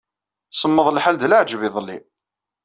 Semmeḍ lḥal d leɛǧeb iḍelli.